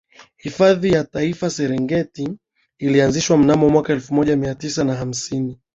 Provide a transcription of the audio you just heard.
Hifadhi ya Taifa ya Serengeti ilianzishwa mnamo mwaka wa elfu moja Mia Tisa hamsini